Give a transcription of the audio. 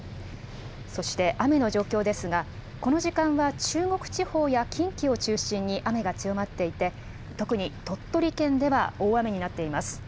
そして、雨の状況ですが、この時間は中国地方や近畿を中心に、雨が強まっていて、特に鳥取県では大雨になっています。